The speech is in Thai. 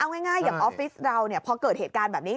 เอาง่ายอย่างออฟฟิศเราพอเกิดเหตุการณ์แบบนี้